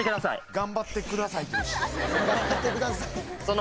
「頑張ってください」。